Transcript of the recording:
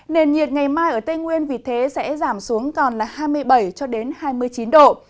nền nhiệt ngày mai ở tây nguyên vì thế sẽ giảm xuống còn là hai mươi bảy cho đến hai mươi chín độ